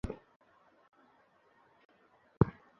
আমাদের পাপকে ক্ষমা করো!